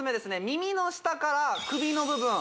耳の下から首の部分